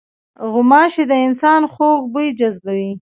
غوماشې د انسان خوږ بوی جذبوي.